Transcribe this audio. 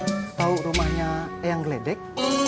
kamu tau rumahnya eyang gledek